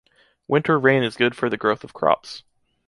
Winter rain is good for the growth of crops.